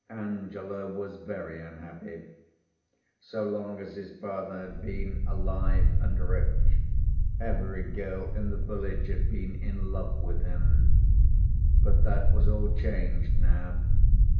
Angelo was very unhappy. So long as his father had been alive and rich, every girl in the village had been in love with him; but that was all changed now.